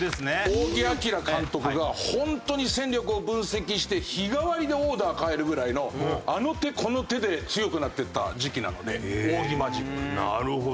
仰木彬監督がホントに戦力を分析して日替わりでオーダー替えるぐらいのあの手この手で強くなっていった時期なので仰木マジック。なるほど。